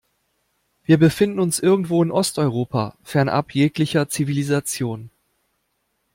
Wir befinden uns irgendwo in Osteuropa, fernab jeglicher Zivilisation.